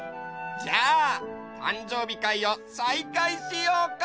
じゃあたんじょうびかいをさいかいしようか！